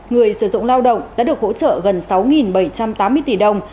người sử dụng lao động đã được hỗ trợ gần sáu bảy trăm tám mươi tỷ đồng